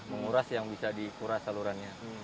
menguras yang bisa dikuras salurannya